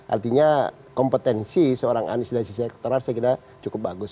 artinya kompetensi seorang anies dari sisi elektoral saya kira cukup bagus